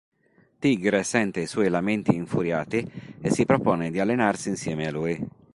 Tigre sente i suoi lamenti infuriati e si propone di allenarsi insieme a lui.